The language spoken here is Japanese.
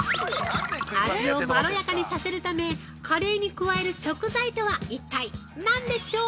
味をまろやかにさせるためカレーに加える食材とは一体何でしょう？